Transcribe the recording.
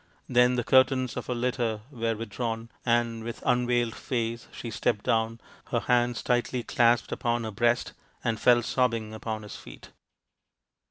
Then the curtains of her litter were with drawn, and with unveiled face she stepped down, her hands tightly clasped upon her breast, and fell sobbing upon his feet.